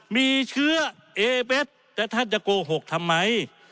มีเชื้อเอเบสแต่ท่านจะโกหกทำไม